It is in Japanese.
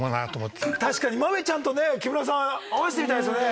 確かにマメちゃんとね木村さん会わしてみたいですよね。